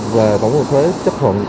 và tổng hợp thuế chấp thuận